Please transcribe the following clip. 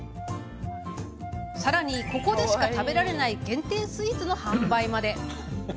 さらに、ここでしか食べられない限定スイーツの販売まで。